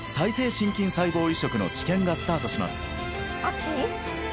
心筋細胞移植の治験がスタートします